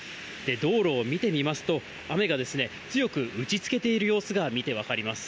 道路を見てみますと、雨が強く打ちつけている様子が見て分かります。